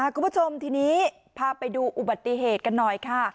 คุณผู้ชมทีนี้พาไปดูอุบัติเหตุกันหน่อยค่ะ